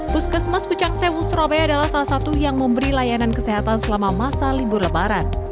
puskesmas pucang sewu surabaya adalah salah satu yang memberi layanan kesehatan selama masa libur lebaran